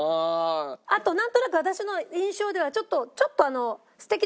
あとなんとなく私の印象ではちょっと。